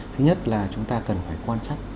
thứ nhất là chúng ta cần phải quan trắc